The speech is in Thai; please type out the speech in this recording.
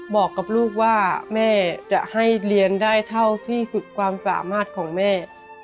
บอกกับลูกว่าแม่จะให้เรียนได้เท่าที่สุดความสามารถของแม่